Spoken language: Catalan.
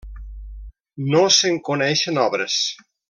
No se'n coneixen obres.